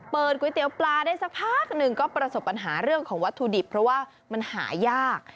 ก๋วยเตี๋ยวปลาได้สักพักหนึ่งก็ประสบปัญหาเรื่องของวัตถุดิบเพราะว่ามันหายาก